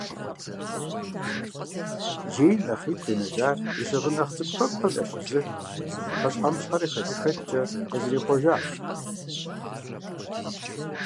Джейн нэхъ игу къинэжар и щыгъын нэхъ цӏыкӏуфэкӏухэм ящыщ зы пхъэщхьэмыщхьэрэ хадэхэкӏкӏэ къызэрихъуэжарт.